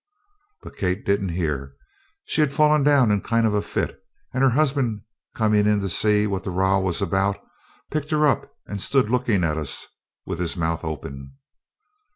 But Kate didn't hear. She had fallen down in a kind of fit, and her husband, coming in to see what the row was about, picked her up, and stood looking at us with his mouth open.